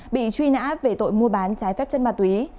bị truy nã về tội mua bán trái phép chất ma túy